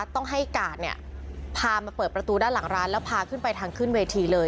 ต้องให้กาดเนี่ยพามาเปิดประตูด้านหลังร้านแล้วพาขึ้นไปทางขึ้นเวทีเลย